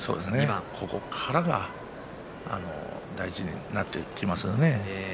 ここからが大事になってきますね。